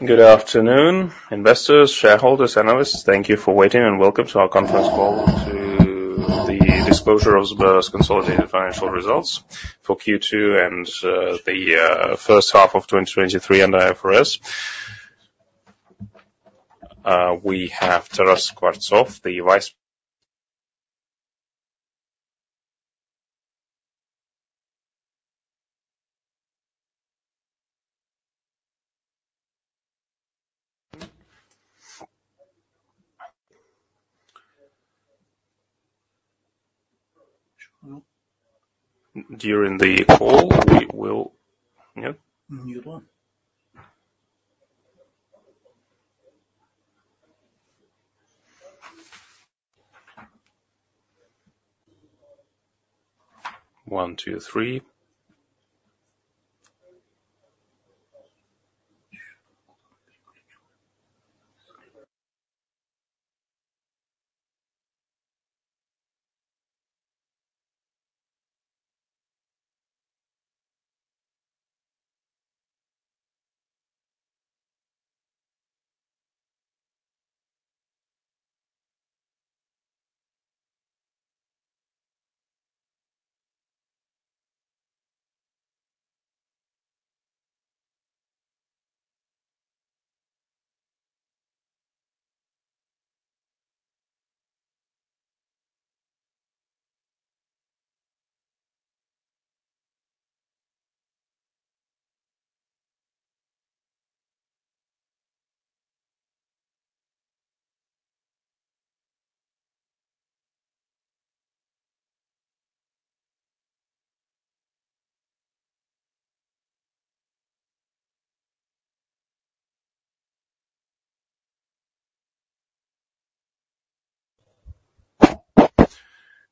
Good afternoon, investors, shareholders, and analysts. Thank you for waiting, and welcome to our conference call to the disclosure of Sberbank's consolidated financial results for Q2 and the first half of 2023 under IFRS. We have Taras Skvortsov, the vice.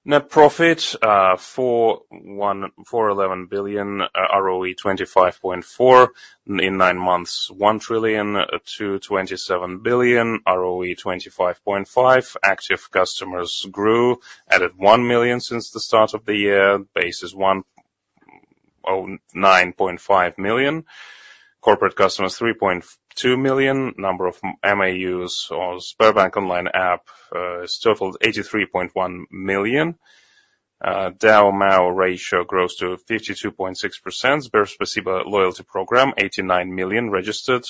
Net profit: 411 billion, ROE 25.4%. In nine months, 1 trillion to 27 billion, ROE 25.5%. Active customers grew, added one million since the start of the year, basis 109.5 million. Corporate customers, 3.2 million. Number of MAUs of Sberbank Online app totaled 83.1 million. DAU/MAU ratio grows to 52.6%. Sberbank's SberSpasibo loyalty program, 89 million registered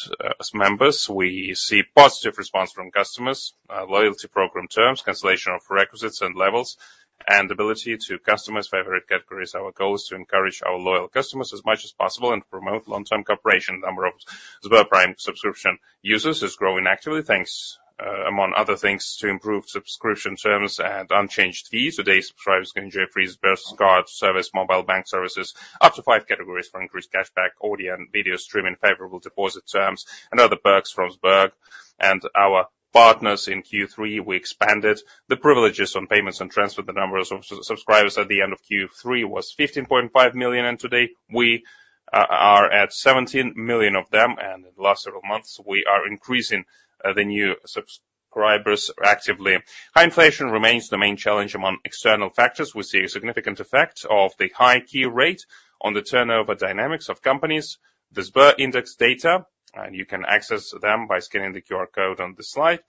members. We see positive response from customers, loyalty program terms, cancellation of requisites and levels, and ability to customize favorite categories. Our goal is to encourage our loyal customers as much as possible and promote long-term cooperation. Number of Sberbank subscription users is growing actively, thanks, among other things, to improved subscription terms and unchanged fees. Today's subscribers can enjoy free Sberbank card service, mobile bank services, up to five categories for increased cashback, audio and video streaming, favorable deposit terms, and other perks from Sberbank, and our partners in Q3, we expanded the privileges on payments and transfer. The number of subscribers at the end of Q3 was 15.5 million, and today we are at 17 million of them, and in the last several months, we are increasing the new subscribers actively. High inflation remains the main challenge among external factors. We see a significant effect of the high key rate on the turnover dynamics of companies. The Sberbank index data, and you can access them by scanning the QR code on the slide,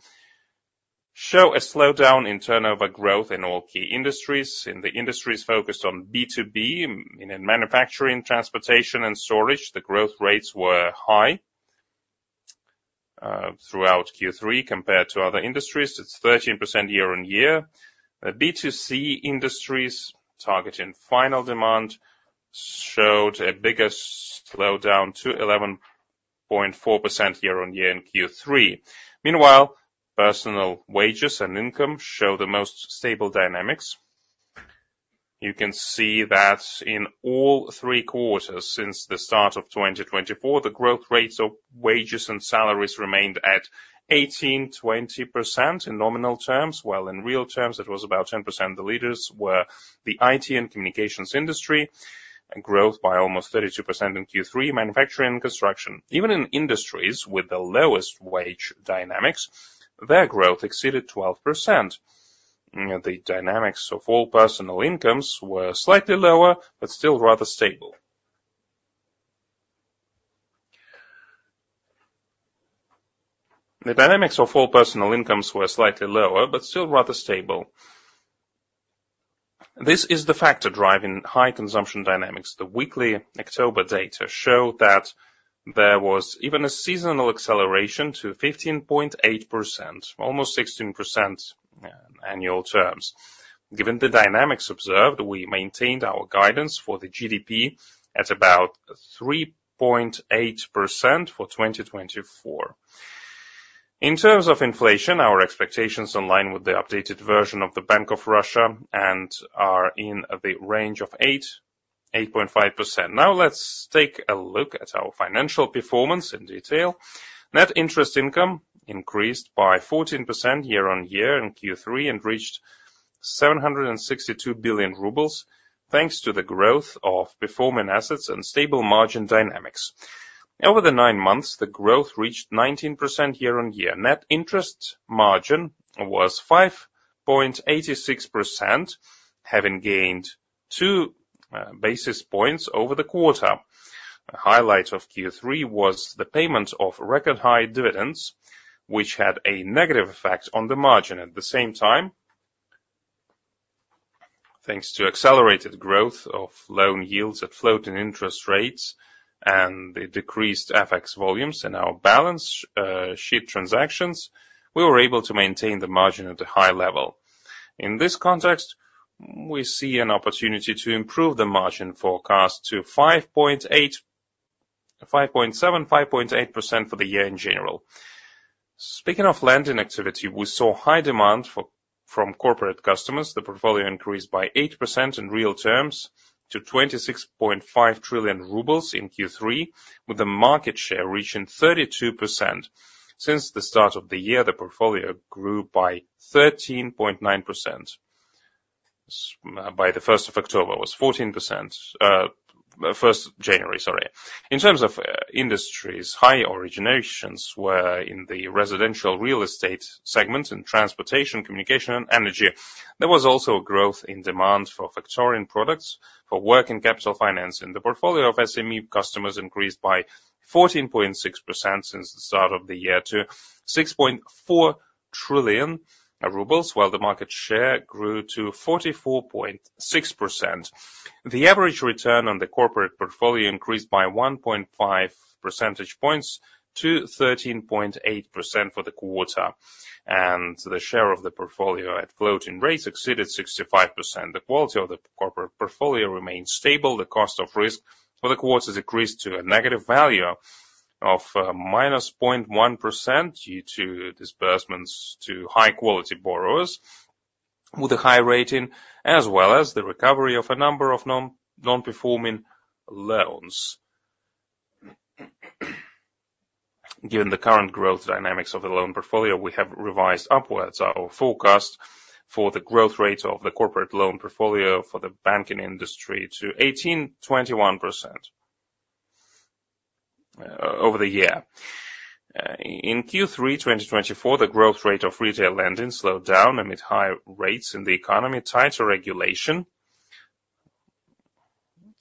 show a slowdown in turnover growth in all key industries. In the industries focused on B2B, in manufacturing, transportation, and storage, the growth rates were high throughout Q3 compared to other industries. It's 13% year on year. The B2C industries, targeting final demand, showed a bigger slowdown to 11.4% year on year in Q3. Meanwhile, personal wages and income show the most stable dynamics. You can see that in all three quarters since the start of 2024, the growth rates of wages and salaries remained at 18-20% in nominal terms, while in real terms it was about 10%. The leaders were the IT and communications industry, growth by almost 32% in Q3, manufacturing and construction. Even in industries with the lowest wage dynamics, their growth exceeded 12%. The dynamics of all personal incomes were slightly lower but still rather stable. This is the factor driving high consumption dynamics. The weekly October data showed that there was even a seasonal acceleration to 15.8%, almost 16% annual terms. Given the dynamics observed, we maintained our guidance for the GDP at about 3.8% for 2024. In terms of inflation, our expectations align with the updated version of the Bank of Russia and are in the range of 8%-8.5%. Now let's take a look at our financial performance in detail. Net interest income increased by 14% year on year in Q3 and reached 762 billion rubles, thanks to the growth of performing assets and stable margin dynamics. Over the nine months, the growth reached 19% year on year. Net interest margin was 5.86%, having gained 2 basis points over the quarter. A highlight of Q3 was the payment of record high dividends, which had a negative effect on the margin. At the same time, thanks to accelerated growth of loan yields at floating interest rates and the decreased FX volumes in our balance sheet transactions, we were able to maintain the margin at a high level. In this context, we see an opportunity to improve the margin forecast to 5.7%-5.8% for the year in general. Speaking of lending activity, we saw high demand from corporate customers. The portfolio increased by 8% in real terms to 26.5 trillion rubles in Q3, with the market share reaching 32%. Since the start of the year, the portfolio grew by 13.9%. By the 1st of October, it was 14%. 1st of January, sorry. In terms of industries, high originations were in the residential real estate segment and transportation, communication, and energy. There was also a growth in demand for factoring products for working capital financing. The portfolio of SME customers increased by 14.6% since the start of the year to 6.4 trillion rubles, while the market share grew to 44.6%. The average return on the corporate portfolio increased by 1.5 percentage points to 13.8% for the quarter, and the share of the portfolio at floating rates exceeded 65%. The quality of the corporate portfolio remained stable. The cost of risk for the quarter decreased to a negative value of minus 0.1% due to disbursements to high-quality borrowers with a high rating, as well as the recovery of a number of non-performing loans. Given the current growth dynamics of the loan portfolio, we have revised upwards our forecast for the growth rate of the corporate loan portfolio for the banking industry to 18%-21% over the year. In Q3 2024, the growth rate of retail lending slowed down amid high rates in the economy, tighter regulation,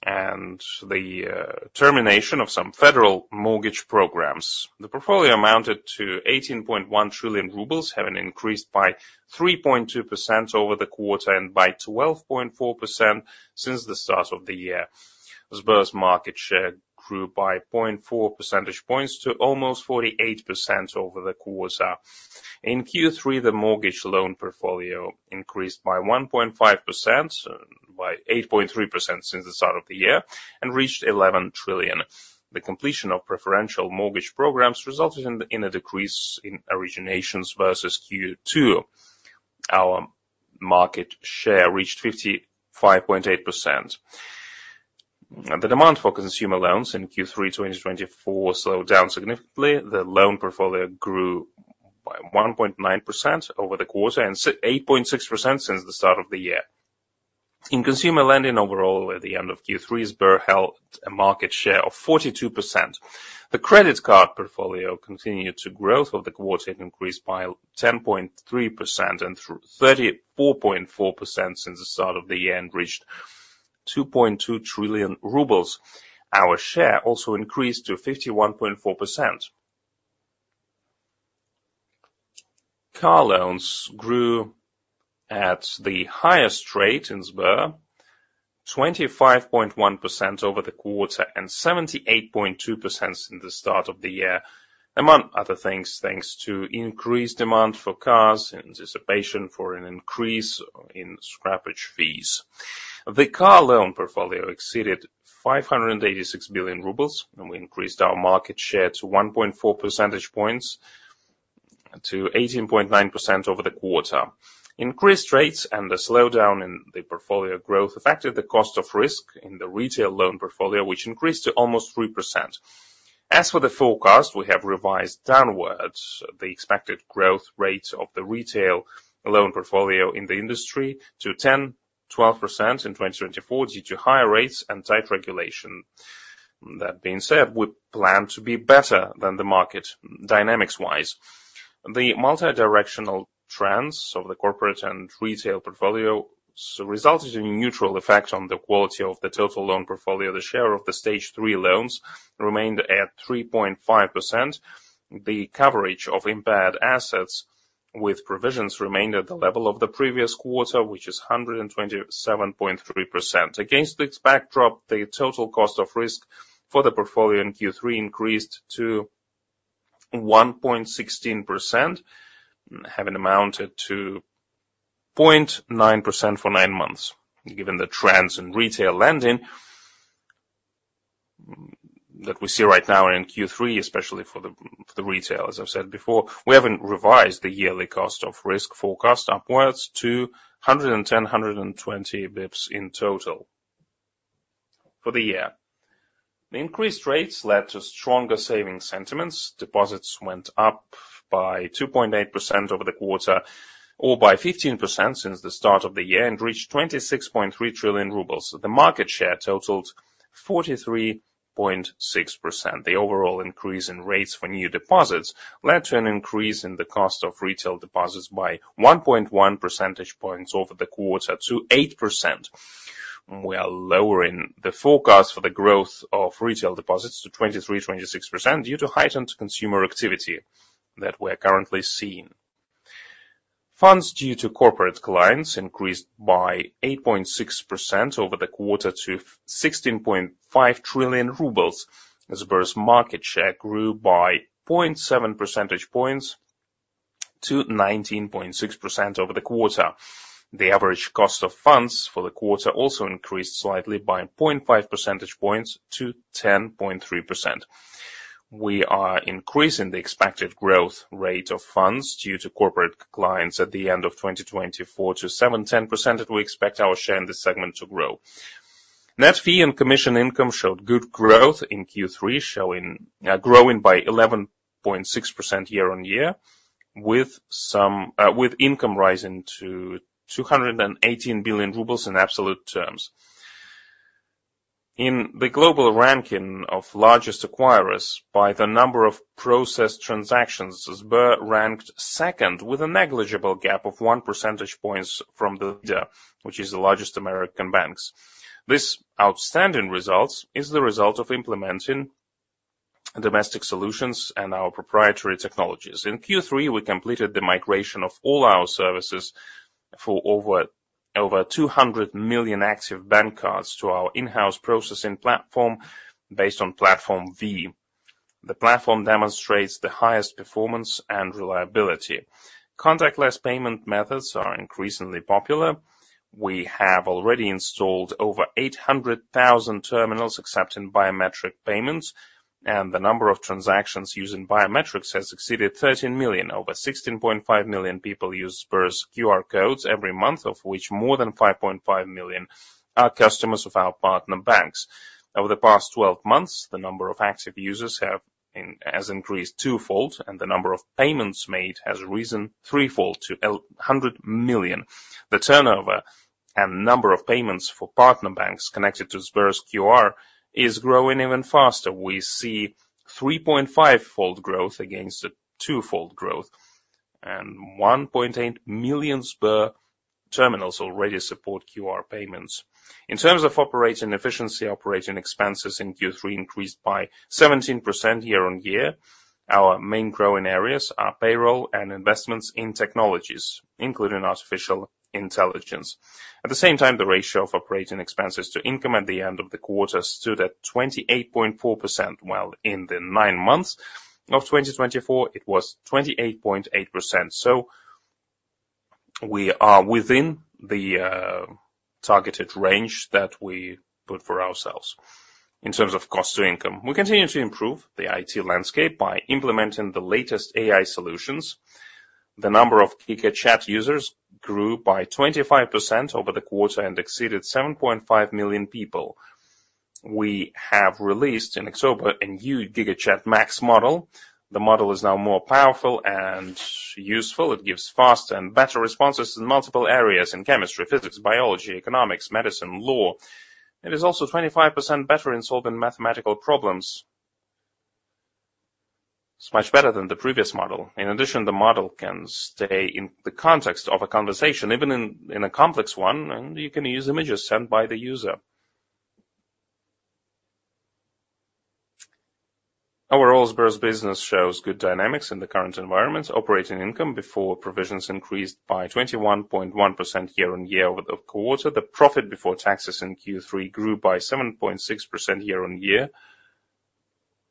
and the termination of some federal mortgage programs. The portfolio amounted to 18.1 trillion rubles, having increased by 3.2% over the quarter and by 12.4% since the start of the year. Sberbank's market share grew by 0.4 percentage points to almost 48% over the quarter. In Q3, the mortgage loan portfolio increased by 1.5%, by 8.3% since the start of the year, and reached 11 trillion RUB. The completion of preferential mortgage programs resulted in a decrease in originations versus Q2. Our market share reached 55.8%. The demand for consumer loans in Q3 2024 slowed down significantly. The loan portfolio grew by 1.9% over the quarter and 8.6% since the start of the year. In consumer lending overall, at the end of Q3, Sberbank held a market share of 42%. The credit card portfolio continued to grow for the quarter and increased by 10.3% and 34.4% since the start of the year, and reached 2.2 trillion rubles. Our share also increased to 51.4%. Car loans grew at the highest rate in Sberbank, 25.1% over the quarter and 78.2% since the start of the year, among other things, thanks to increased demand for cars and anticipation for an increase in scrappage fees. The car loan portfolio exceeded 586 billion rubles, and we increased our market share to 1.4 percentage points, to 18.9% over the quarter. Increased rates and the slowdown in the portfolio growth affected the cost of risk in the retail loan portfolio, which increased to almost 3%. As for the forecast, we have revised downwards the expected growth rate of the retail loan portfolio in the industry to 10%-12% in 2024 due to high rates and tight regulation. That being said, we plan to be better than the market dynamics-wise. The multidirectional trends of the corporate and retail portfolios resulted in a neutral effect on the quality of the total loan portfolio. The share of the Stage 3 loans remained at 3.5%. The coverage of impaired assets with provisions remained at the level of the previous quarter, which is 127.3%. Against the backdrop, the total cost of risk for the portfolio in Q3 increased to 1.16%, having amounted to 0.9% for nine months. Given the trends in retail lending that we see right now in Q3, especially for the retail, as I've said before, we haven't revised the yearly cost of risk forecast upwards to 110-120 basis points in total for the year. The increased rates led to stronger savings sentiments. Deposits went up by 2.8% over the quarter, or by 15% since the start of the year, and reached 26.3 trillion rubles. The market share totaled 43.6% The overall increase in rates for new deposits led to an increase in the cost of retail deposits by 1.1 percentage points over the quarter, to 8%. We are lowering the forecast for the growth of retail deposits to 23%-26% due to heightened consumer activity that we are currently seeing. Funds due to corporate clients increased by 8.6% over the quarter to 16.5 trillion rubles. Sberbank's market share grew by 0.7 percentage points to 19.6% over the quarter. The average cost of funds for the quarter also increased slightly by 0.5 percentage points to 10.3%. We are increasing the expected growth rate of funds due to corporate clients at the end of 2024 to 7%-10%, and we expect our share in this segment to grow. Net fee and commission income showed good growth in Q3, growing by 11.6% year on year, with income rising to 218 billion rubles in absolute terms. In the global ranking of largest acquirers by the number of processed transactions, Sberbank ranked second, with a negligible gap of 1 percentage point from the leader, which is the largest American bank. This outstanding result is the result of implementing domestic solutions and our proprietary technologies. In Q3, we completed the migration of all our services for over 200 million active bank cards to our in-house processing platform based on Platform V. The platform demonstrates the highest performance and reliability. Contactless payment methods are increasingly popular. We have already installed over 800,000 terminals accepting biometric payments, and the number of transactions using biometrics has exceeded 13 million. Over 16.5 million people use Sberbank's QR codes every month, of which more than 5.5 million are customers of our partner banks. Over the past 12 months, the number of active users has increased twofold, and the number of payments made has risen threefold to 100 million. The turnover and number of payments for partner banks connected to Sberbank's QR is growing even faster. We see 3.5-fold growth against the twofold growth, and 1.8 million Sberbank terminals already support QR payments. In terms of operating efficiency, operating expenses in Q3 increased by 17% year on year. Our main growing areas are payroll and investments in technologies, including artificial intelligence. At the same time, the ratio of operating expenses to income at the end of the quarter stood at 28.4%, while in the nine months of 2024, it was 28.8%. So we are within the targeted range that we put for ourselves. In terms of cost to income, we continue to improve the IT landscape by implementing the latest AI solutions. The number of GigaChat users grew by 25% over the quarter and exceeded 7.5 million people. We have released in October a new GigaChat MAX Model. The model is now more powerful and useful. It gives faster and better responses in multiple areas: in chemistry, physics, biology, economics, medicine, law. It is also 25% better in solving mathematical problems. It's much better than the previous model. In addition, the model can stay in the context of a conversation, even in a complex one, and you can use images sent by the user. Overall, Sberbank's business shows good dynamics in the current environment. Operating income before provisions increased by 21.1% year on year. Over the quarter, the profit before taxes in Q3 grew by 7.6% year on year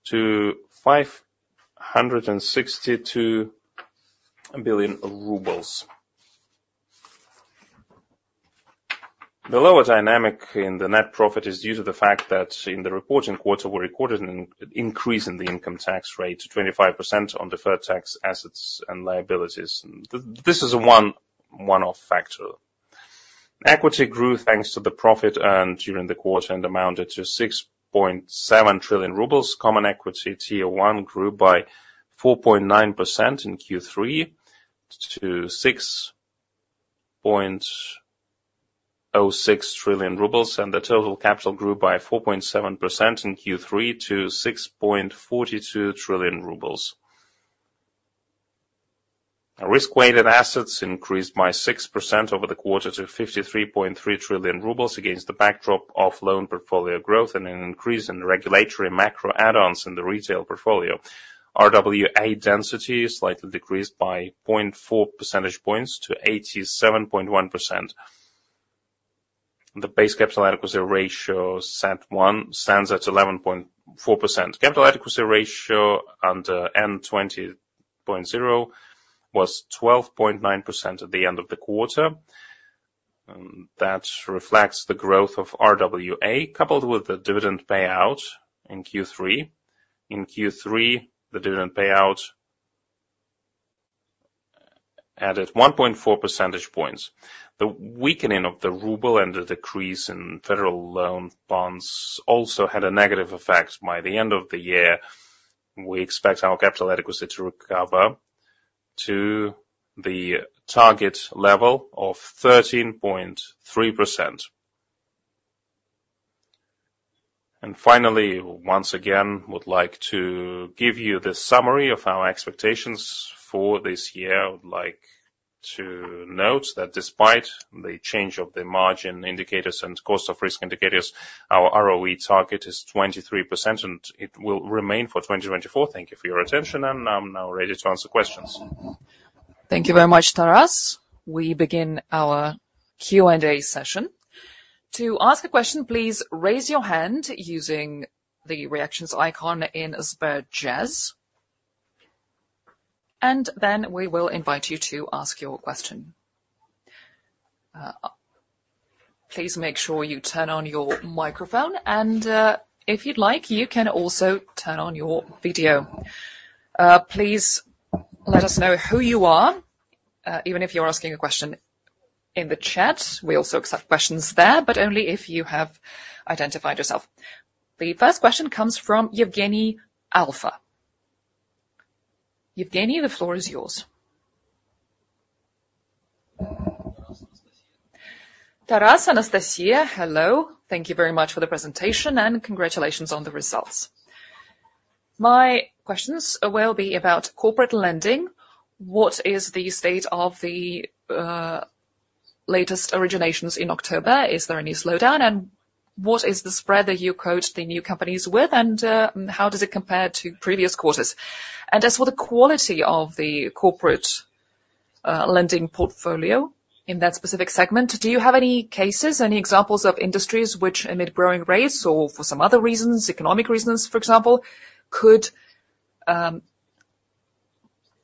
to RUB 562 billion. The lower dynamic in the net profit is due to the fact that in the reporting quarter, we recorded an increase in the income tax rate to 25% on deferred tax assets and liabilities. This is a one-off factor. Equity grew thanks to the profit earned during the quarter and amounted to 6.7 trillion rubles. Common Equity Tier 1 grew by 4.9% in Q3 to 6.06 trillion rubles, and the total capital grew by 4.7% in Q3 to 6.42 trillion rubles. Risk-weighted assets increased by 6% over the quarter to 53.3 trillion rubles against the backdrop of loan portfolio growth and an increase in regulatory macro add-ons in the retail portfolio. RWA density slightly decreased by 0.4 percentage points to 87.1%. The base capital adequacy ratio Tier 1 stands at 11.4%. Capital adequacy ratio under N20.0 was 12.9% at the end of the quarter. That reflects the growth of RWA coupled with the dividend payout in Q3. In Q3, the dividend payout added 1.4 percentage points. The weakening of the ruble and the decrease in federal loan bonds also had a negative effect by the end of the year. We expect our capital adequacy to recover to the target level of 13.3%. And finally, once again, I would like to give you the summary of our expectations for this year. I would like to note that despite the change of the margin indicators and cost of risk indicators, our ROE target is 23%, and it will remain for 2024. Thank you for your attention, and I'm now ready to answer questions. Thank you very much, Taras. We begin our Q&A session. To ask a question, please raise your hand using the reactions icon in SberJazz, and then we will invite you to ask your question. Please make sure you turn on your microphone, and if you'd like, you can also turn on your video. Please let us know who you are, even if you're asking a question in the chat. We also accept questions there, but only if you have identified yourself. The first question comes from Yevgeny Alfa. Yevgeny, the floor is yours. Taras, Anastasia, hello. Thank you very much for the presentation, and congratulations on the results. My questions will be about corporate lending. What is the state of the latest originations in October? Is there any slowdown? And what is the spread that you quote the new companies with, and how does it compare to previous quarters? And as for the quality of the corporate lending portfolio in that specific segment, do you have any cases, any examples of industries which, amid growing rates or for some other reasons, economic reasons, for example, could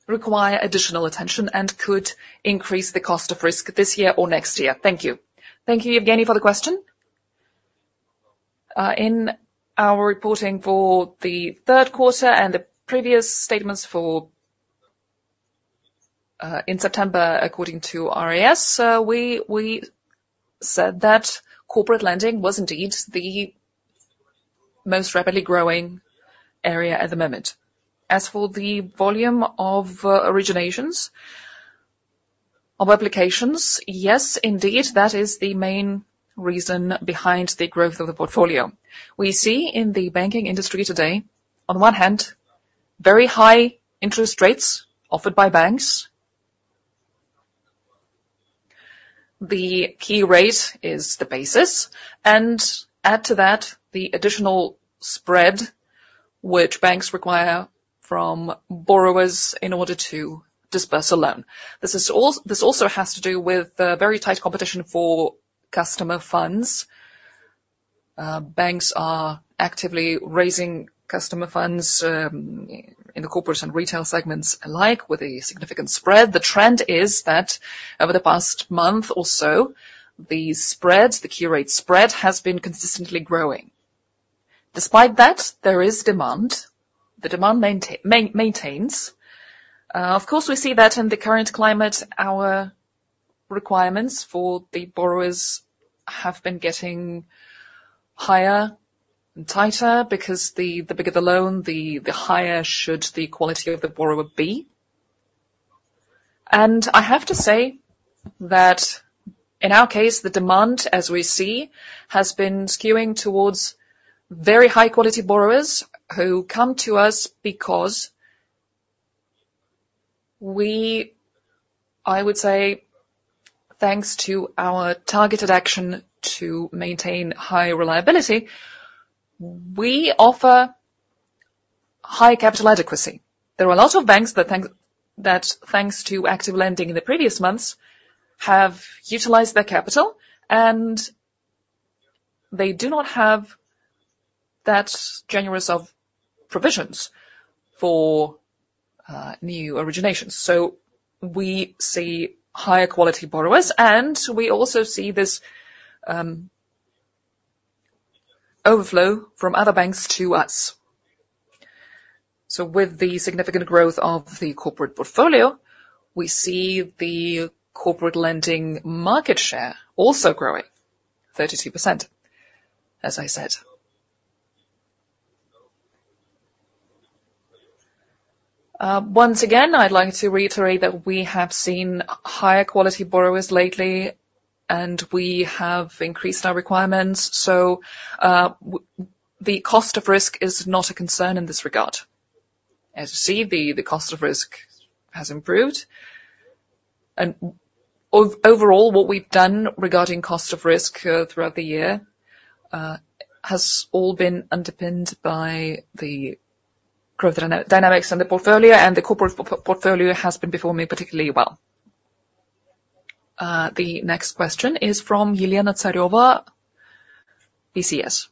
require additional attention and could increase the cost of risk this year or next year? Thank you. Thank you, Yevgeny, for the question. In our reporting for the third quarter and the previous statements in September, according to RAS, we said that corporate lending was indeed the most rapidly growing area at the moment. As for the volume of originations, of applications, yes, indeed, that is the main reason behind the growth of the portfolio. We see in the banking industry today, on the one hand, very high interest rates offered by banks. The Key Rate is the basis, and add to that the additional spread which banks require from borrowers in order to disburse a loan. This also has to do with very tight competition for customer funds. Banks are actively raising customer funds in the corporate and retail segments alike with a significant spread. The trend is that over the past month or so, the spread, the Key Rate spread, has been consistently growing. Despite that, there is demand. The demand maintains. Of course, we see that in the current climate, our requirements for the borrowers have been getting higher and tighter because the bigger the loan, the higher should the quality of the borrower be. And I have to say that in our case, the demand, as we see, has been skewing towards very high-quality borrowers who come to us because we, I would say, thanks to our targeted action to maintain high reliability, we offer high capital adequacy. There are a lot of banks that, thanks to active lending in the previous months, have utilized their capital, and they do not have that generous of provisions for new originations. So we see higher quality borrowers, and we also see this overflow from other banks to us. So with the significant growth of the corporate portfolio, we see the corporate lending market share also growing 32%, as I said. Once again, I'd like to reiterate that we have seen higher quality borrowers lately, and we have increased our requirements. So the cost of risk is not a concern in this regard. As you see, the cost of risk has improved. And overall, what we've done regarding cost of risk throughout the year has all been underpinned by the growth dynamics and the portfolio, and the corporate portfolio has been performing particularly well. The next question is from Elena Tsareva, BCS.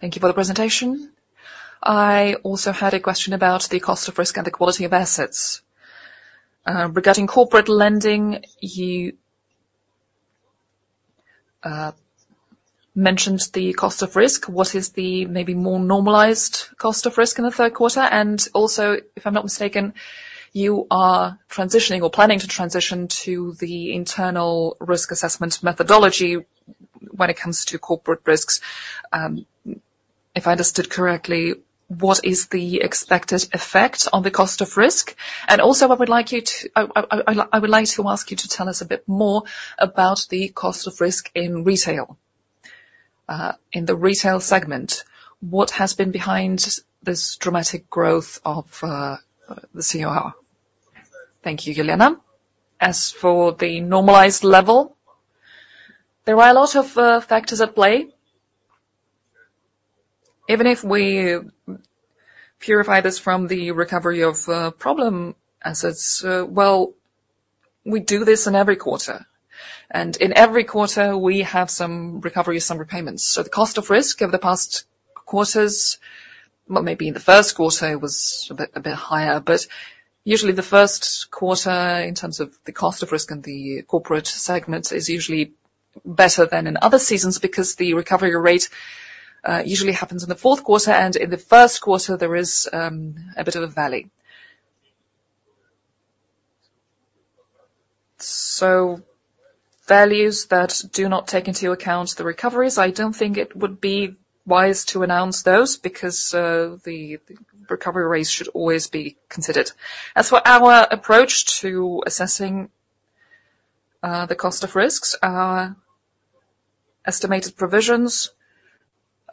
Thank you for the presentation. I also had a question about the cost of risk and the quality of assets. Regarding corporate lending, you mentioned the cost of risk. What is the maybe more normalized cost of risk in the third quarter? And also, if I'm not mistaken, you are transitioning or planning to transition to the internal risk assessment methodology when it comes to corporate risks? If I understood correctly, what is the expected effect on the cost of risk? And also, I would like you to, I would like to ask you to tell us a bit more about the cost of risk in retail. In the retail segment, what has been behind this dramatic growth of the COR? Thank you, Elena. As for the normalized level, there are a lot of factors at play. Even if we purify this from the recovery of problem assets, well, we do this in every quarter. And in every quarter, we have some recovery, some repayments. So the cost of risk over the past quarters, well, maybe in the first quarter, it was a bit higher, but usually the first quarter, in terms of the cost of risk in the corporate segment, is usually better than in other seasons because the recovery rate usually happens in the fourth quarter, and in the first quarter, there is a bit of a valley. So values that do not take into account the recoveries, I don't think it would be wise to announce those because the recovery rates should always be considered. As for our approach to assessing the cost of risks, our estimated provisions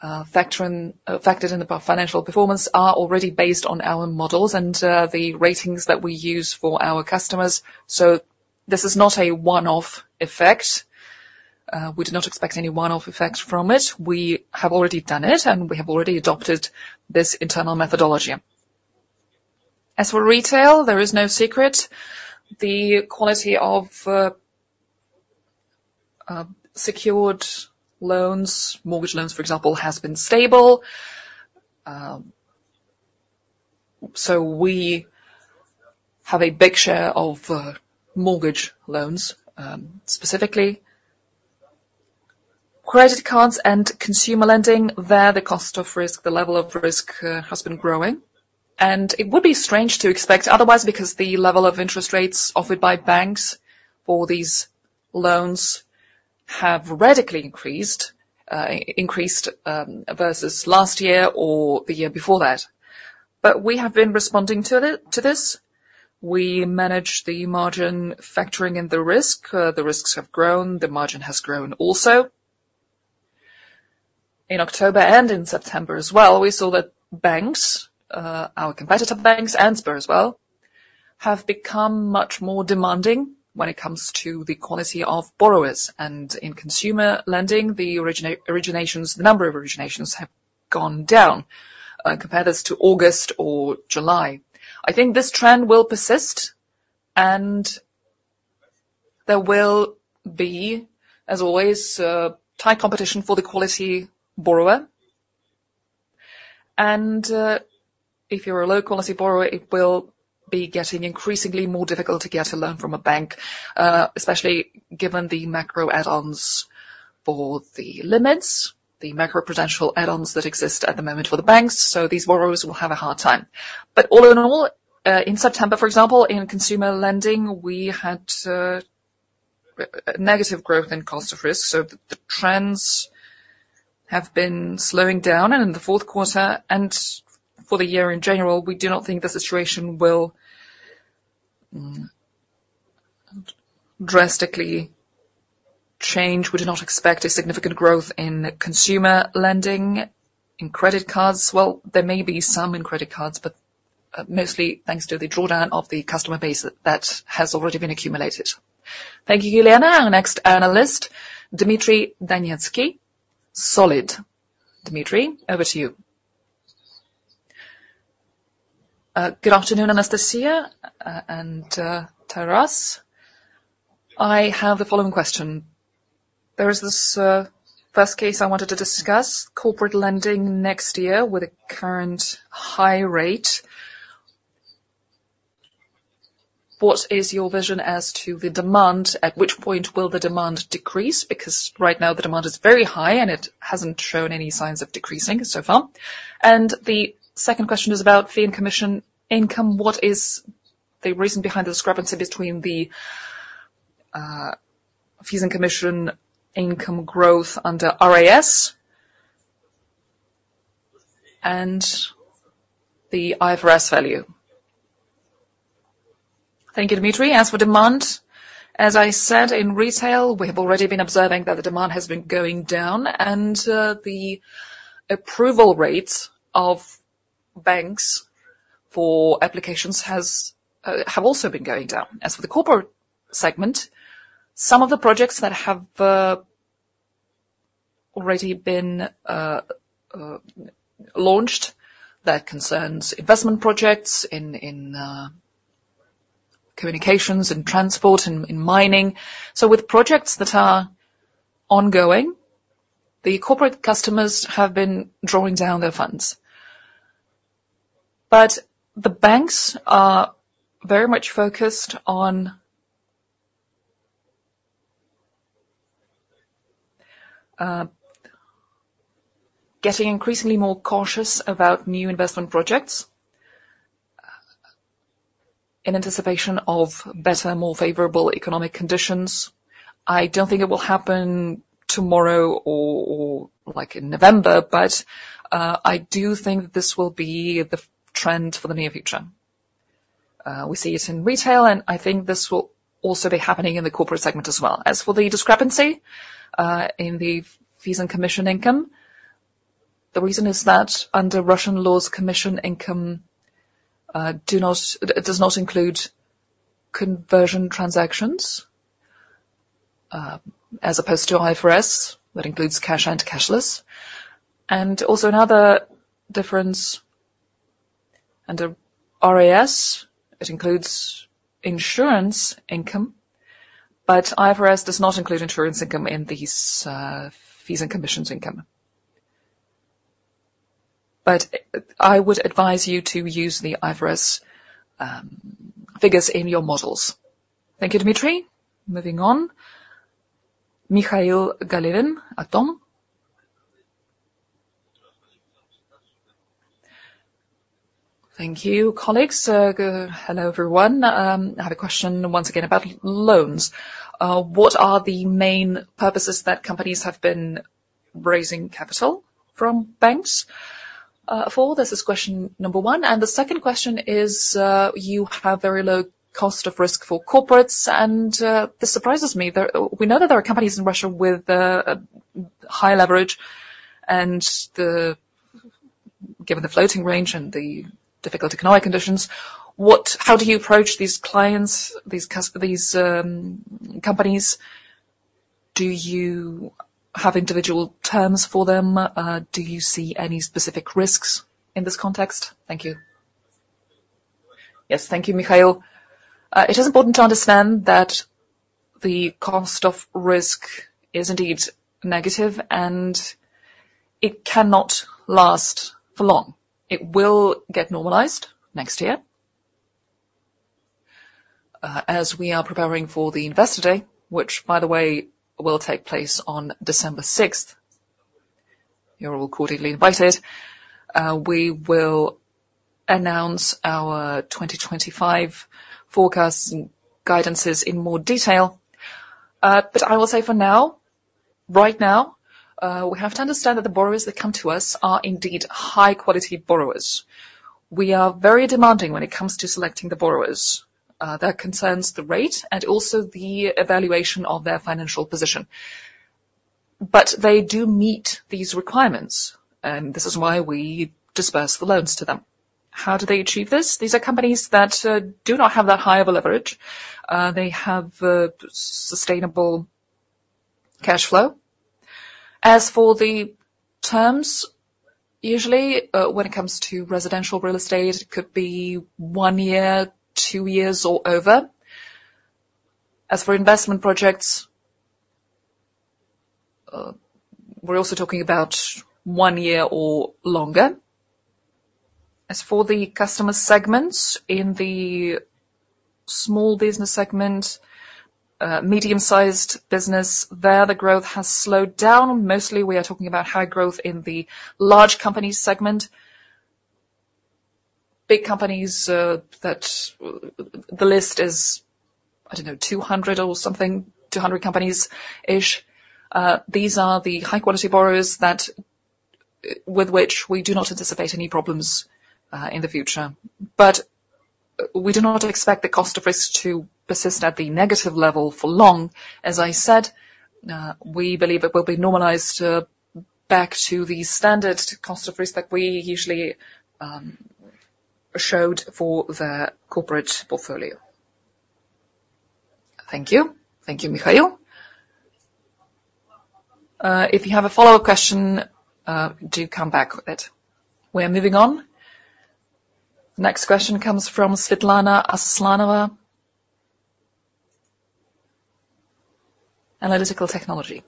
factored in the financial performance are already based on our models and the ratings that we use for our customers. So this is not a one-off effect. We do not expect any one-off effects from it. We have already done it, and we have already adopted this internal methodology. As for retail, there is no secret. The quality of secured loans, mortgage loans, for example, has been stable. So we have a big share of mortgage loans specifically. Credit cards and consumer lending, there the cost of risk, the level of risk has been growing. And it would be strange to expect otherwise because the level of interest rates offered by banks for these loans have radically increased versus last year or the year before that. But we have been responding to this. We manage the margin factoring and the risk. The risks have grown. The margin has grown also. In October and in September as well, we saw that banks, our competitor banks and Sber as well, have become much more demanding when it comes to the quality of borrowers. And in consumer lending, the originations, the number of originations have gone down compared to August or July. I think this trend will persist, and there will be, as always, tight competition for the quality borrower. And if you're a low-quality borrower, it will be getting increasingly more difficult to get a loan from a bank, especially given the macro add-ons for the limits, the macroprudential add-ons that exist at the moment for the banks. So these borrowers will have a hard time. But all in all, in September, for example, in consumer lending, we had negative growth in cost of risk. So the trends have been slowing down in the fourth quarter. And for the year in general, we do not think the situation will drastically change. We do not expect a significant growth in consumer lending, in credit cards. Well, there may be some in credit cards, but mostly thanks to the drawdown of the customer base that has already been accumulated. Thank you, Elena. Our next analyst, Dmitry Donetskiy. Solid. Dmitry, over to you. Good afternoon, Anastasia and Taras. I have the following question. There is this first case I wanted to discuss. Corporate lending next year with a current high rate. What is your vision as to the demand? At which point will the demand decrease? Because right now, the demand is very high, and it hasn't shown any signs of decreasing so far. And the second question is about fee and commission income. What is the reason behind the discrepancy between the fees and commission income growth under RAS and the IFRS value? Thank you, Dmitry. As for demand, as I said, in retail, we have already been observing that the demand has been going down, and the approval rates of banks for applications have also been going down. As for the corporate segment, some of the projects that have already been launched, that concerns investment projects in communications, in transport, in mining. So with projects that are ongoing, the corporate customers have been drawing down their funds. But the banks are very much focused on getting increasingly more cautious about new investment projects in anticipation of better, more favorable economic conditions. I don't think it will happen tomorrow or in November, but I do think this will be the trend for the near future. We see it in retail, and I think this will also be happening in the corporate segment as well. As for the discrepancy in the fees and commission income, the reason is that under Russian laws, commission income does not include conversion transactions as opposed to IFRS. That includes cash and cashless. And also another difference under RAS, it includes insurance income, but IFRS does not include insurance income in these fees and commissions income. But I would advise you to use the IFRS figures in your models. Thank you, Dmitry. Moving on. Mikhail Ganelin, Aton. Thank you, colleagues. Hello, everyone. I have a question once again about loans. What are the main purposes that companies have been raising capital from banks for? That's question number one. And the second question is, you have very low cost of risk for corporates, and this surprises me. We know that there are companies in Russia with high leverage, and given the floating range and the difficult economic conditions, how do you approach these clients, these companies? Do you have individual terms for them? Do you see any specific risks in this context? Thank you. Yes, thank you, Mikhail. It is important to understand that the cost of risk is indeed negative, and it cannot last for long. It will get normalized next year. As we are preparing for the Investor Day, which, by the way, will take place on December 6th, you're all cordially invited, we will announce our 2025 forecasts and guidances in more detail. But I will say for now, right now, we have to understand that the borrowers that come to us are indeed high-quality borrowers. We are very demanding when it comes to selecting the borrowers. That concerns the rate and also the evaluation of their financial position. But they do meet these requirements, and this is why we disburse the loans to them. How do they achieve this? These are companies that do not have that high of a leverage. They have sustainable cash flow. As for the terms, usually when it comes to residential real estate, it could be one year, two years, or over. As for investment projects, we're also talking about one year or longer. As for the customer segments, in the small business segment, medium-sized business, there the growth has slowed down. Mostly, we are talking about high growth in the large company segment. Big companies that the list is, I don't know, 200 or something, 200 companies-ish. These are the high-quality borrowers with which we do not anticipate any problems in the future. But we do not expect the cost of risk to persist at the negative level for long. As I said, we believe it will be normalized back to the standard cost of risk that we usually showed for the corporate portfolio. Thank you. Thank you, Mikhail. If you have a follow-up question, do come back with it. We are moving on. Next question comes from Svetlana Aslanova. Analytical Technology.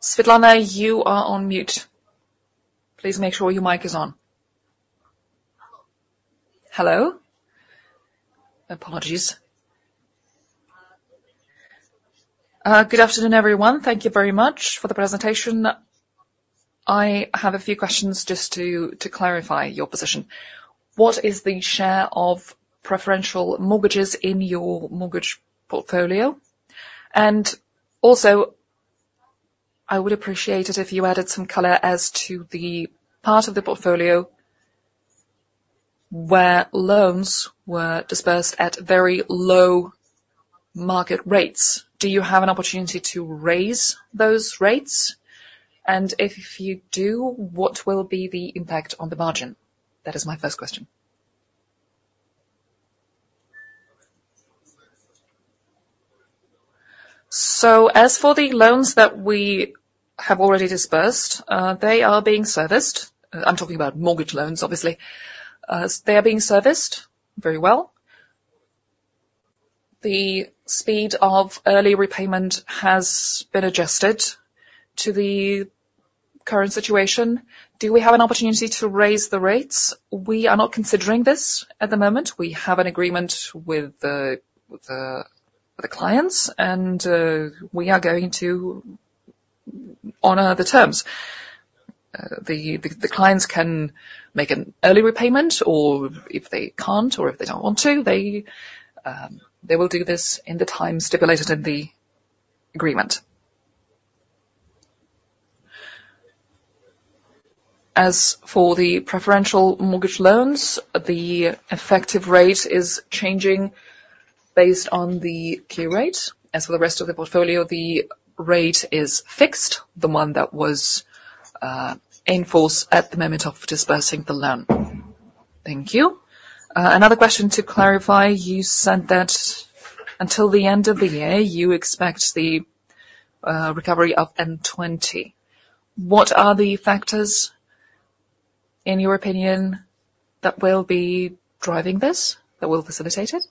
Svitlana, you are on mute. Please make sure your mic is on. Hello? Apologies. Good afternoon, everyone. Thank you very much for the presentation. I have a few questions just to clarify your position. What is the share of preferential mortgages in your mortgage portfolio? And also, I would appreciate it if you added some color as to the part of the portfolio where loans were dispersed at very low market rates. Do you have an opportunity to raise those rates? If you do, what will be the impact on the margin? That is my first question. As for the loans that we have already disbursed, they are being serviced. I'm talking about mortgage loans, obviously. They are being serviced very well. The speed of early repayment has been adjusted to the current situation. Do we have an opportunity to raise the rates? We are not considering this at the moment. We have an agreement with the clients, and we are going to honor the terms. The clients can make an early repayment, or if they can't, or if they don't want to, they will do this in the time stipulated in the agreement. As for the preferential mortgage loans, the effective rate is changing based on the Key Rate. As for the rest of the portfolio, the rate is fixed, the one that was in force at the moment of disbursing the loan. Thank you. Another question to clarify. You said that until the end of the year, you expect the recovery of N20. What are the factors, in your opinion, that will be driving this, that will facilitate it?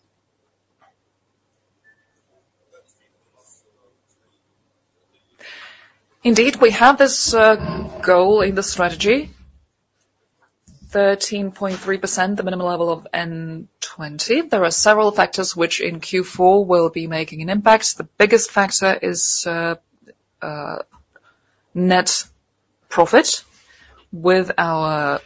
Indeed, we have this goal in the strategy, 13.3%, the minimum level of N20. There are several factors which in Q4 will be making an impact. The biggest factor is net profit. With our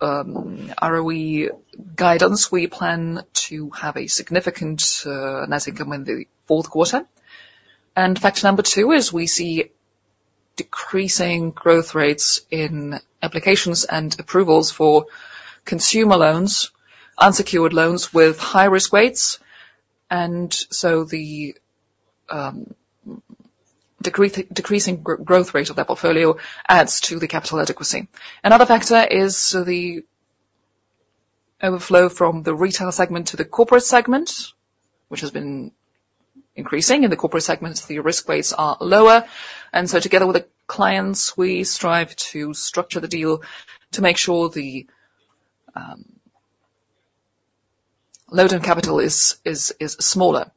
ROE guidance, we plan to have a significant net income in the fourth quarter. Factor number two is we see decreasing growth rates in applications and approvals for consumer loans, unsecured loans with high risk weights. So the decreasing growth rate of that portfolio adds to the capital adequacy. Another factor is the overflow from the retail segment to the corporate segment, which has been increasing. In the corporate segment, the risk weights are lower. And so together with the clients, we strive to structure the deal to make sure the load on capital is smaller.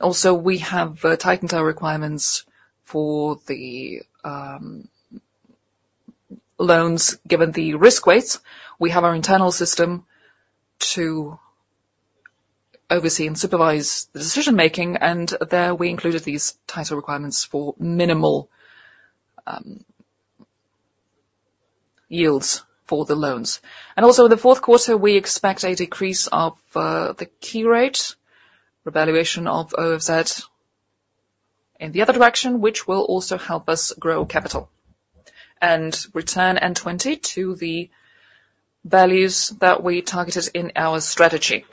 Also, we have tightened our requirements for the loans given the risk weights. We have our internal system to oversee and supervise the decision-making, and there we included these tighter requirements for minimal yields for the loans. And also, in the fourth quarter, we expect a decrease of the Key Rate, revaluation of OFZ in the other direction, which will also help us grow capital and return N20 to the values that we targeted in our strategy.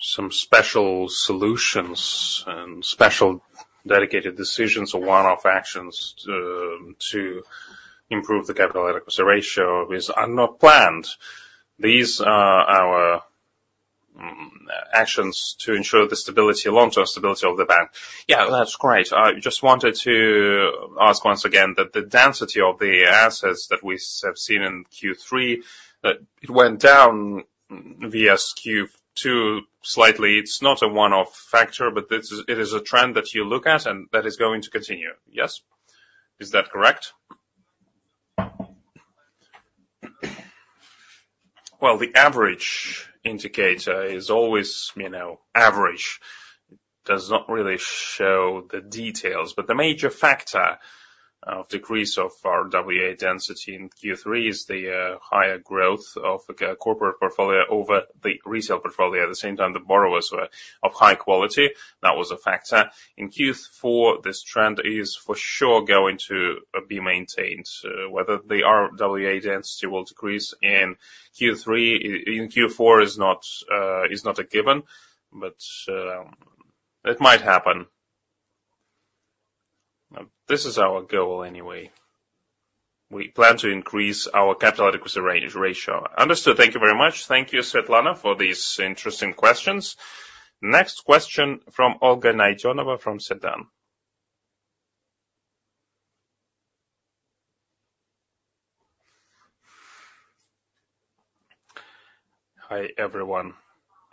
Some special solutions and special dedicated decisions or one-off actions to improve the capital adequacy ratio are not planned. These are our actions to ensure the stability along with our stability of the bank. Yeah, that's great. I just wanted to ask once again that the density of the assets that we have seen in Q3, it went down from Q2 slightly. It's not a one-off factor, but it is a trend that you look at and that is going to continue. Yes? Is that correct? Well, the average indicator is always average. It does not really show the details, but the major factor of decrease of our RWA density in Q3 is the higher growth of the corporate portfolio over the retail portfolio. At the same time, the borrowers were of high quality. That was a factor. In Q4, this trend is for sure going to be maintained. Whether the RWA density will decrease in Q4 is not a given, but it might happen. This is our goal anyway. We plan to increase our capital adequacy ratio. Understood. Thank you very much. Thank you, Svitlana, for these interesting questions. Next question from Olga Naydenova from Sinara. Hi, everyone.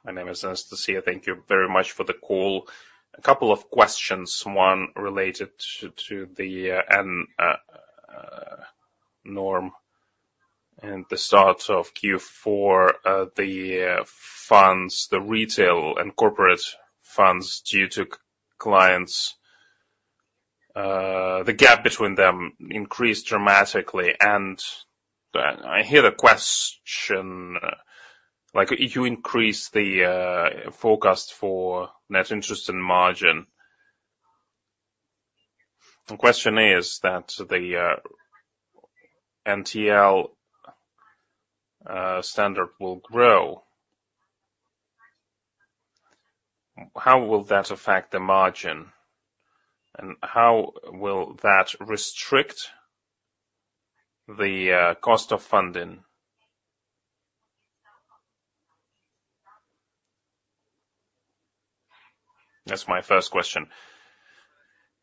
My name is Anastasia. Thank you very much for the call. A couple of questions. One related to the NIM at the start of Q4, the funds due to clients, the retail and corporate funds due to clients, the gap between them increased dramatically. And I hear the question, like, you increase the forecast for net interest margin. The question is that the LCR standard will grow. How will that affect the margin? And how will that restrict the cost of funding? That's my first question.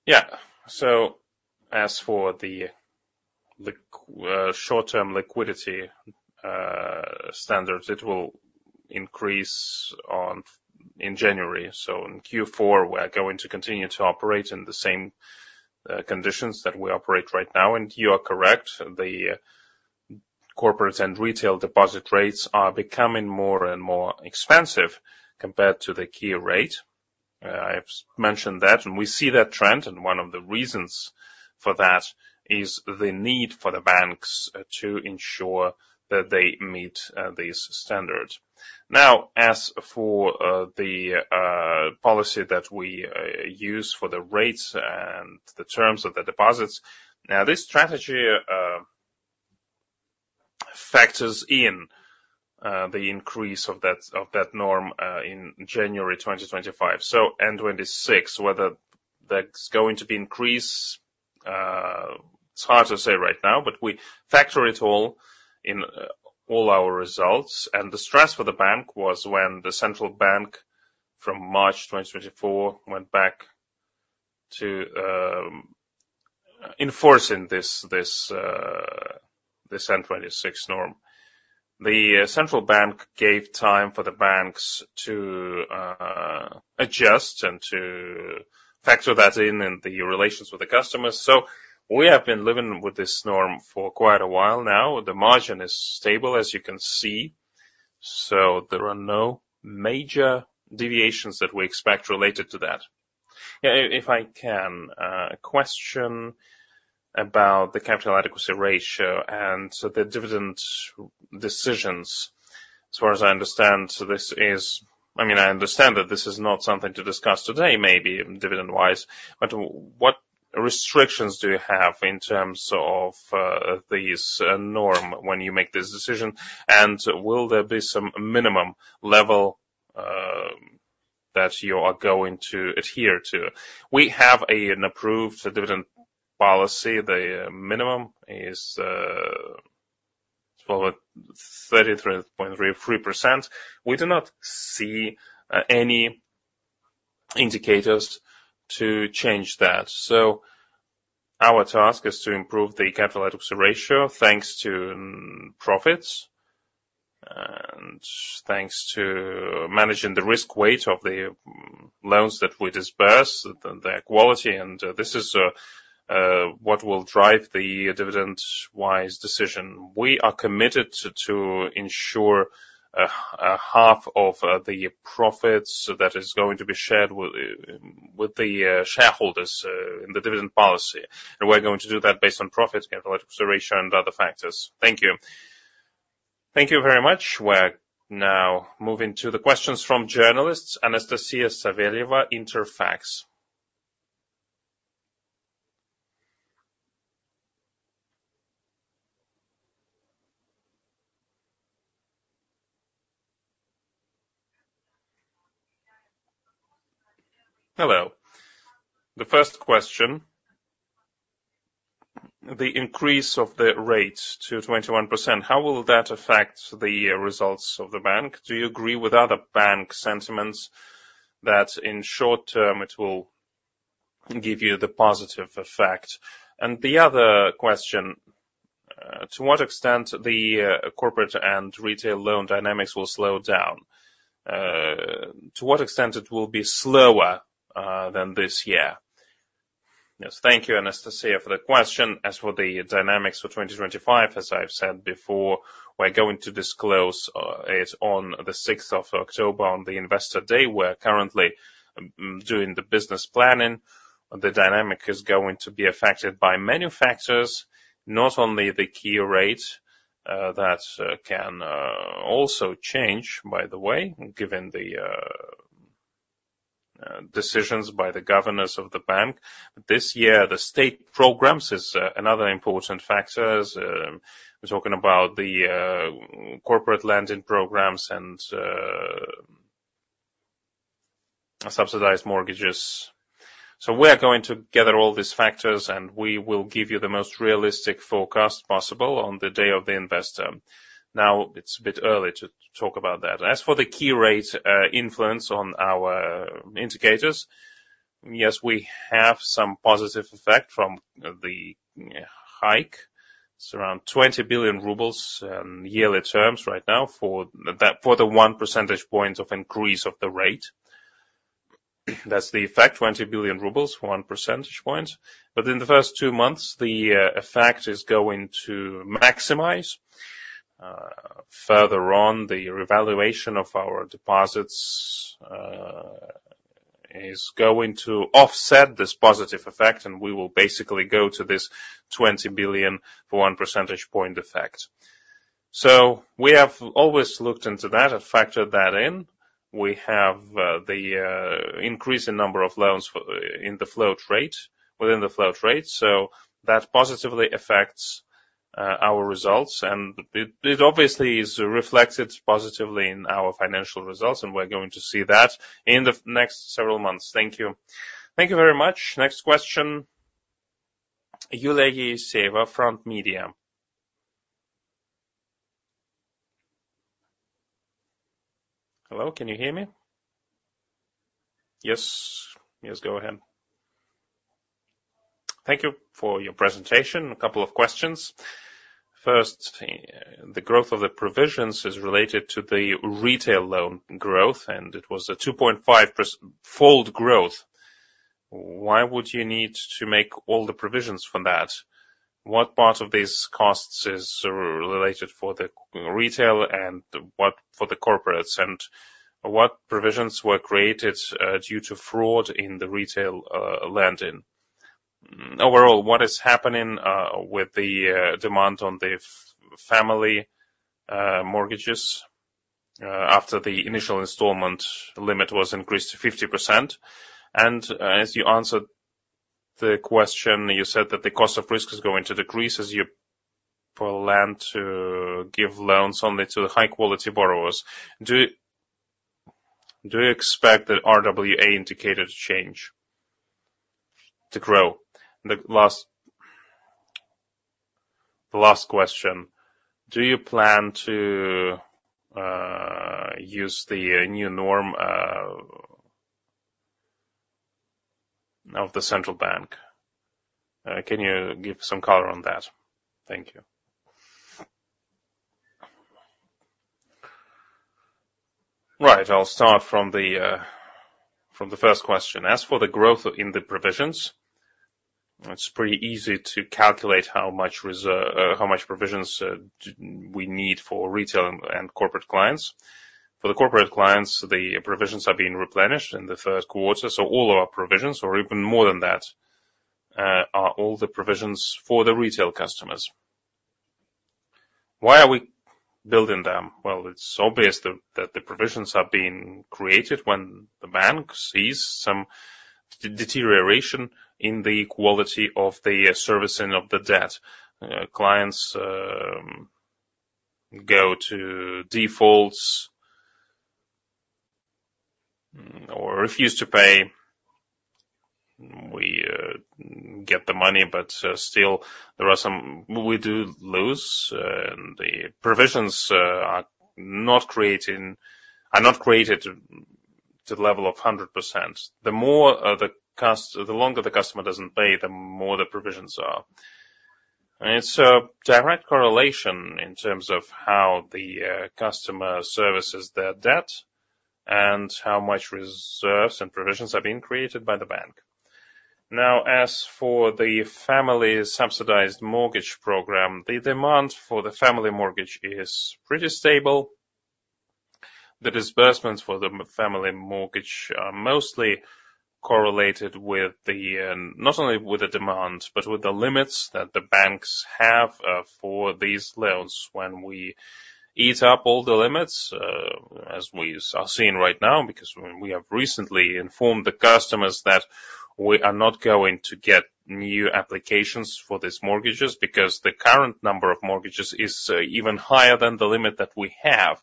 Yeah. So as for the short-term liquidity standards, it will increase in January. So in Q4, we're going to continue to operate in the same conditions that we operate right now. You are correct. The corporate and retail deposit rates are becoming more and more expensive compared to the key rate. I've mentioned that, and we see that trend. One of the reasons for that is the need for the banks to ensure that they meet these standards. Now, as for the policy that we use for the rates and the terms of the deposits, now this strategy factors in the increase of that norm in January 2025. So N26, whether that's going to be increased, it's hard to say right now, but we factor it all in, in all our results. The stress for the bank was when the central bank from March 2024 went back to enforcing this N26 norm. The central bank gave time for the banks to adjust and to factor that in the relations with the customers. We have been living with this norm for quite a while now. The margin is stable, as you can see. There are no major deviations that we expect related to that. If I can question about the capital adequacy ratio and the dividend decisions, as far as I understand, this is, I mean, I understand that this is not something to discuss today, maybe dividend-wise, but what restrictions do you have in terms of these norms when you make this decision? And will there be some minimum level that you are going to adhere to? We have an approved dividend policy. The minimum is 33.3%. We do not see any indicators to change that. Our task is to improve the capital adequacy ratio thanks to profits and thanks to managing the risk weight of the loans that we disburse, their quality. And this is what will drive the dividend-wise decision. We are committed to ensure half of the profits that is going to be shared with the shareholders in the dividend policy. And we're going to do that based on profit, capital adequacy ratio, and other factors. Thank you. Thank you very much. We're now moving to the questions from journalists. Anastasia Savelyeva, Interfax. Hello. The first question, the increase of the rates to 21%, how will that affect the results of the bank? Do you agree with other bank sentiments that in short term it will give you the positive effect? And the other question, to what extent the corporate and retail loan dynamics will slow down? To what extent it will be slower than this year? Yes. Thank you, Anastasia, for the question. As for the dynamics for 2025, as I've said before, we're going to disclose it on the 6th of October on the Investor Day. We're currently doing the business planning. The dynamic is going to be affected by many factors, not only the key rate that can also change, by the way, given the decisions by the governors of the bank. This year, the state programs is another important factor. We're talking about the corporate lending programs and subsidized mortgages. So we're going to gather all these factors, and we will give you the most realistic forecast possible on the Day of the Investor. Now, it's a bit early to talk about that. As for the key rate influence on our indicators, yes, we have some positive effect from the hike. It's around 20 billion rubles in yearly terms right now for the one percentage point of increase of the rate. That's the effect, 20 billion rubles, one percentage point. But in the first two months, the effect is going to maximize. Further on, the revaluation of our deposits is going to offset this positive effect, and we will basically go to this 20 billion for one percentage point effect. So we have always looked into that and factored that in. We have the increasing number of loans in the floating rate, within the floating rate. So that positively affects our results, and it obviously is reflected positively in our financial results, and we're going to see that in the next several months. Thank you. Thank you very much. Next question, Yulia Savelyeva from Frank Media. Hello, can you hear me? Yes. Yes, go ahead. Thank you for your presentation. A couple of questions. First, the growth of the provisions is related to the retail loan growth, and it was a 2.5-fold growth. Why would you need to make all the provisions for that? What part of these costs is related for the retail and what for the corporates? And what provisions were created due to fraud in the retail lending? Overall, what is happening with the demand on the family mortgages after the initial installment limit was increased to 50%? And as you answered the question, you said that the cost of risk is going to decrease as you plan to give loans only to the high-quality borrowers. Do you expect the RWA indicator to change, to grow? The last question, do you plan to use the new norm of the central bank? Can you give some color on that? Thank you. Right. I'll start from the first question. As for the growth in the provisions, it's pretty easy to calculate how much provisions we need for retail and corporate clients. For the corporate clients, the provisions are being replenished in the first quarter. So all of our provisions, or even more than that, are all the provisions for the retail customers. Why are we building them? Well, it's obvious that the provisions are being created when the bank sees some deterioration in the quality of the servicing of the debt. Clients go to defaults or refuse to pay. We get the money, but still, there are some we do lose, and the provisions are not created to the level of 100%. The longer the customer doesn't pay, the more the provisions are. It's a direct correlation in terms of how the customer services their debt and how much reserves and provisions are being created by the bank. Now, as for the family subsidized mortgage program, the demand for the family mortgage is pretty stable. The disbursements for the family mortgage are mostly correlated not only with the demand, but with the limits that the banks have for these loans. When we eat up all the limits, as we are seeing right now, because we have recently informed the customers that we are not going to get new applications for these mortgages because the current number of mortgages is even higher than the limit that we have,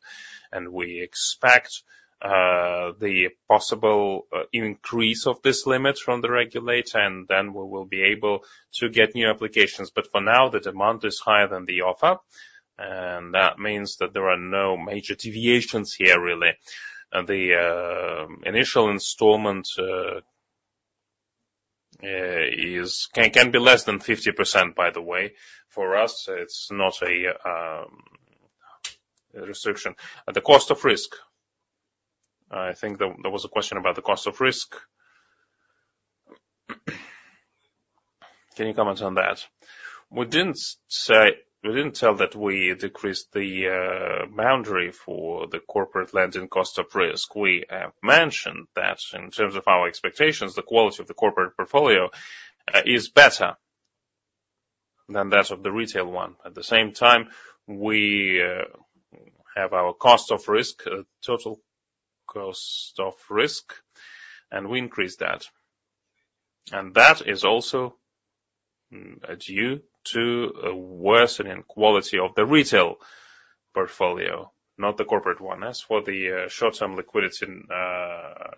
and we expect the possible increase of this limit from the regulator, and then we will be able to get new applications. But for now, the demand is higher than the offer, and that means that there are no major deviations here, really. The initial installment can be less than 50%, by the way. For us, it's not a restriction. The cost of risk. I think there was a question about the cost of risk. Can you comment on that? We didn't tell that we decreased the boundary for the corporate lending cost of risk. We have mentioned that in terms of our expectations, the quality of the corporate portfolio is better than that of the retail one. At the same time, we have our cost of risk, total cost of risk, and we increased that. And that is also due to a worsening quality of the retail portfolio, not the corporate one. As for the short-term liquidity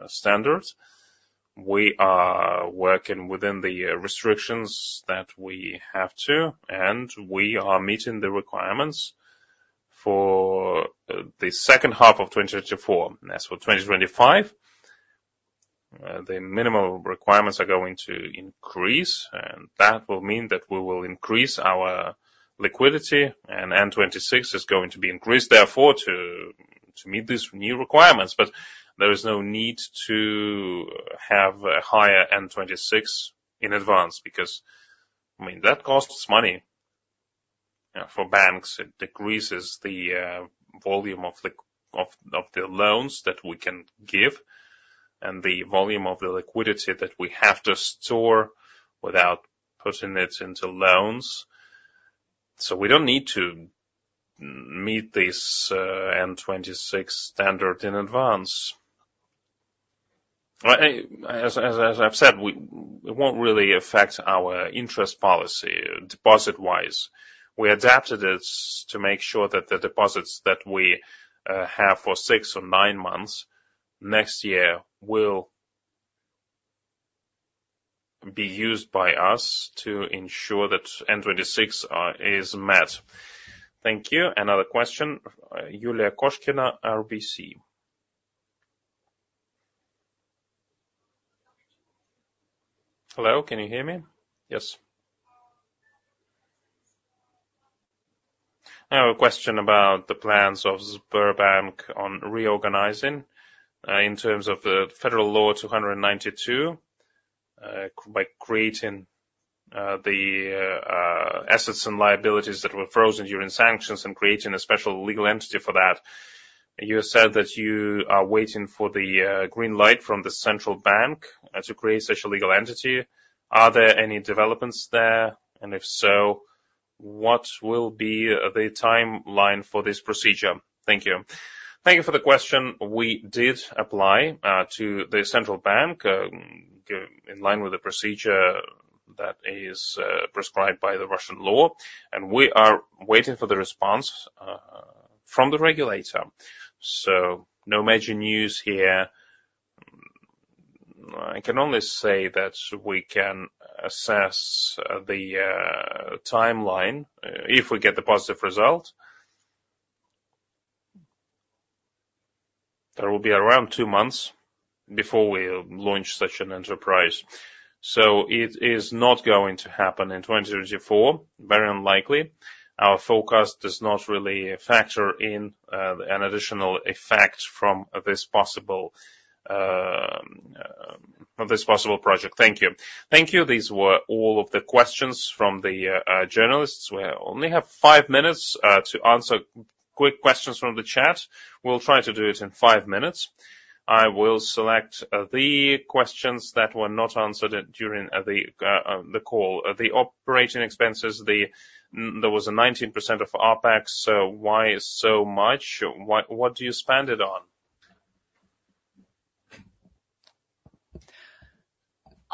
standards, we are working within the restrictions that we have to, and we are meeting the requirements for the second half of 2024. As for 2025, the minimum requirements are going to increase, and that will mean that we will increase our liquidity, and N26 is going to be increased, therefore, to meet these new requirements. But there is no need to have a higher N26 in advance because, I mean, that costs money for banks. It decreases the volume of the loans that we can give and the volume of the liquidity that we have to store without putting it into loans. So we don't need to meet this N26 standard in advance. As I've said, it won't really affect our interest policy, deposit-wise. We adapted it to make sure that the deposits that we have for six or nine months next year will be used by us to ensure that N26 is met. Thank you. Another question, Yulia Koshkina, RBC. Hello, can you hear me? Yes. I have a question about the plans of Sberbank on reorganizing in terms of the federal law 292 by creating the assets and liabilities that were frozen during sanctions and creating a special legal entity for that. You said that you are waiting for the green light from the central bank to create such a legal entity. Are there any developments there? And if so, what will be the timeline for this procedure? Thank you. Thank you for the question. We did apply to the central bank in line with the procedure that is prescribed by the Russian law, and we are waiting for the response from the regulator. So no major news here. I can only say that we can assess the timeline if we get the positive result. There will be around two months before we launch such an enterprise. So it is not going to happen in 2024, very unlikely. Our forecast does not really factor in an additional effect from this possible project. Thank you. Thank you. These were all of the questions from the journalists. We only have five minutes to answer quick questions from the chat. We'll try to do it in five minutes. I will select the questions that were not answered during the call. The operating expenses, there was a 19% of OpEx. So why so much? What do you spend it on?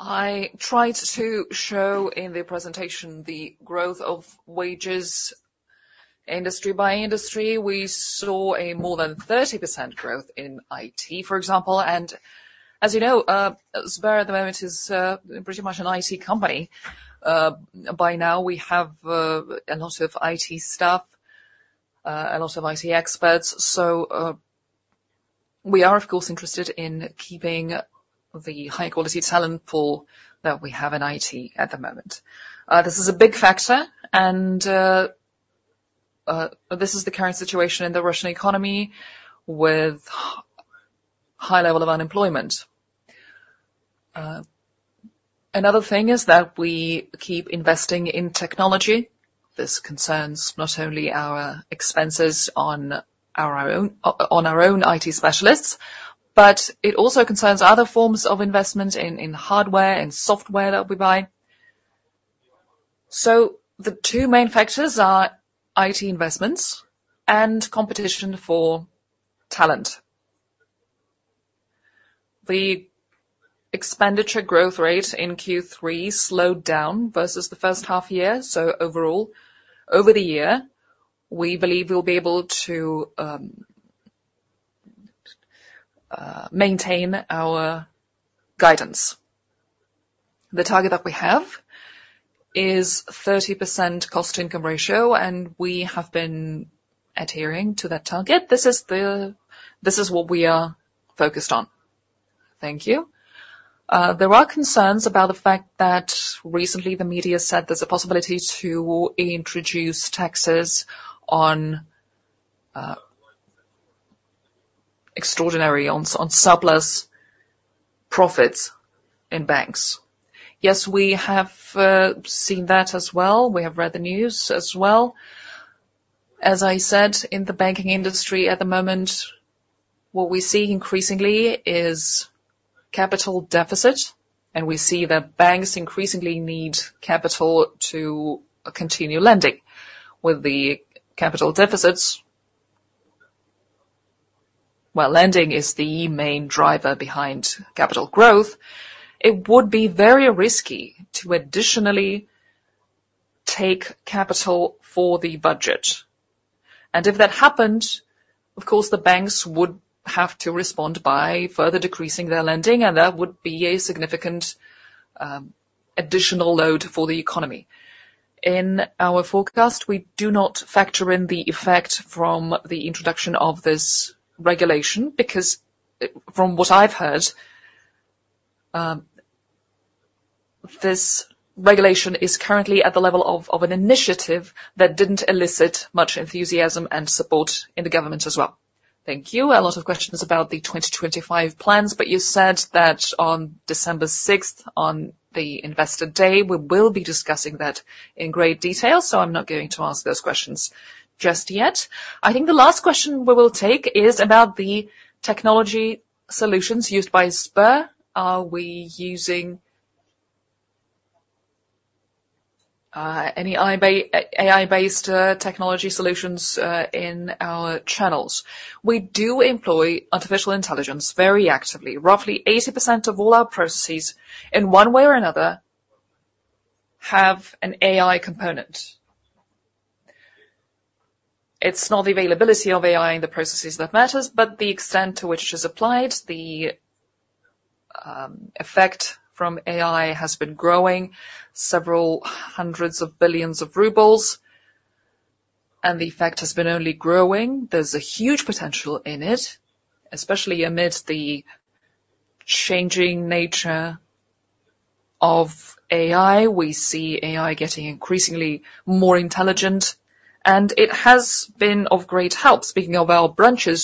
I tried to show in the presentation the growth of wages industry by industry. We saw a more than 30% growth in IT, for example. And as you know, Sber at the moment is pretty much an IT company. By now, we have a lot of IT staff, a lot of IT experts. We are, of course, interested in keeping the high-quality talent pool that we have in IT at the moment. This is a big factor, and this is the current situation in the Russian economy with a high level of unemployment. Another thing is that we keep investing in technology. This concerns not only our expenses on our own IT specialists, but it also concerns other forms of investment in hardware and software that we buy. The two main factors are IT investments and competition for talent. The expenditure growth rate in Q3 slowed down versus the first half year. Overall, over the year, we believe we'll be able to maintain our guidance. The target that we have is 30% cost-to-income ratio, and we have been adhering to that target. This is what we are focused on. Thank you. There are concerns about the fact that recently the media said there's a possibility to introduce taxes on extraordinary on surplus profits in banks. Yes, we have seen that as well. We have read the news as well. As I said, in the banking industry at the moment, what we see increasingly is capital deficit, and we see that banks increasingly need capital to continue lending. With the capital deficits, well, lending is the main driver behind capital growth. It would be very risky to additionally take capital for the budget, and if that happened, of course, the banks would have to respond by further decreasing their lending, and that would be a significant additional load for the economy. In our forecast, we do not factor in the effect from the introduction of this regulation because, from what I've heard, this regulation is currently at the level of an initiative that didn't elicit much enthusiasm and support in the government as well. Thank you. A lot of questions about the 2025 plans, but you said that on December 6th, on the investor day, we will be discussing that in great detail. So I'm not going to ask those questions just yet. I think the last question we will take is about the technology solutions used by Sber. Are we using any AI-based technology solutions in our channels? We do employ artificial intelligence very actively. Roughly 80% of all our processes, in one way or another, have an AI component. It's not the availability of AI in the processes that matters, but the extent to which it is applied. The effect from AI has been growing several hundreds of billions of RUB, and the effect has been only growing. There's a huge potential in it, especially amidst the changing nature of AI. We see AI getting increasingly more intelligent, and it has been of great help. Speaking of our branches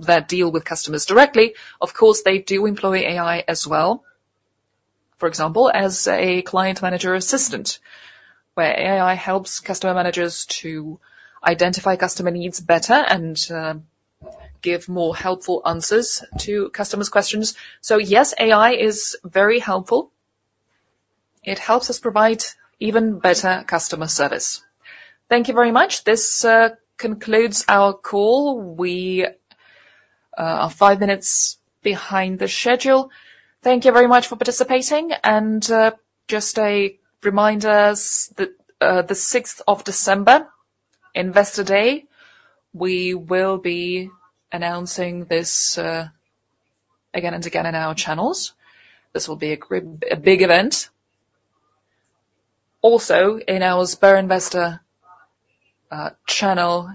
that deal with customers directly, of course, they do employ AI as well, for example, as a client manager assistant, where AI helps customer managers to identify customer needs better and give more helpful answers to customers' questions. So yes, AI is very helpful. It helps us provide even better customer service. Thank you very much. This concludes our call. We are five minutes behind the schedule. Thank you very much for participating, and just a reminder that the 6th of December, Investor Day, we will be announcing this again and again in our channels. This will be a big event. Also, in our SberInvestor channel,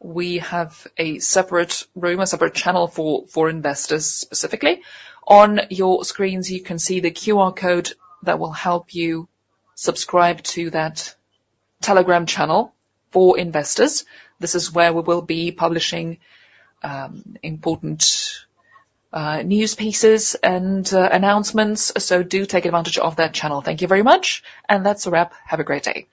we have a separate room, a separate channel for investors specifically. On your screens, you can see the QR code that will help you subscribe to that Telegram channel for investors. This is where we will be publishing important news pieces and announcements. So do take advantage of that channel. Thank you very much, and that's a wrap. Have a great day.